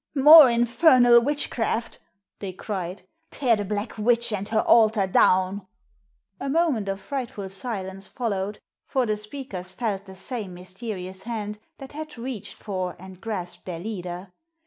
"More infernal witchcraft!" they cried. "Tear the black witch and her altar down!" A moment of frightful silence followed, for the speakers felt the same mysterious hand that had reached for and grasped their leader.